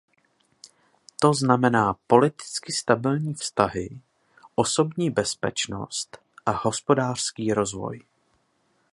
To znamená politicky stabilní vztahy, osobní bezpečnost a hospodářský rozvoj.